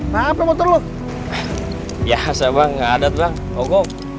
ngapain motor lu biasa bang adat bang